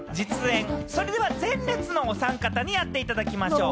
それでは前列のお三方にやっていただきましょう！